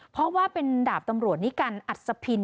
เพราะว่าเป็นดาบตำรวจนิกัลอัศพิน